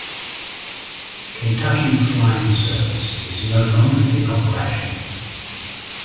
Kentucky Flying Service is no longer in operation.